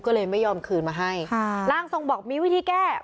ก็เลยไม่ยอมคืนมาให้ค่ะร่างทรงบอกมีวิธีแก้